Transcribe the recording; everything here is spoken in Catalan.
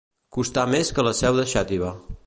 Costar més que la seu de Xàtiva.